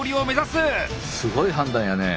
すごい判断やね。